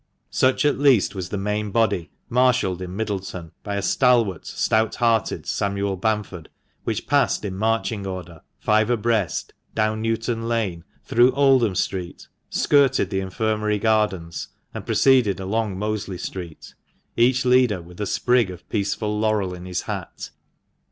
Such at least was the main body, marshalled in Middleton by stalwart, stout hearted Samuel Bamford, which passed in marching order, five abreast, down Newton Lane, through Oldham Street, skirted the Infirmary Gardens, and proceeded along Mosley Street, each leader with a sprig of peaceful laurel in his hat.